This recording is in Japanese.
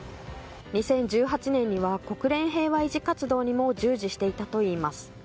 ２０１８年には国連平和維持活動にも従事していたといいます。